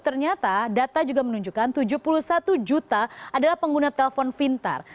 ternyata data juga menunjukkan tujuh puluh satu juta adalah pengguna telpon pintar